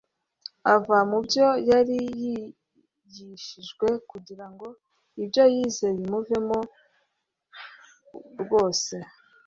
ava mu byo yari yigishijwe. Kugira ngo ibyo yize bimuvemo mvose,